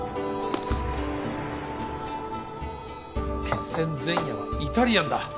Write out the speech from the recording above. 決戦前夜はイタリアンだ。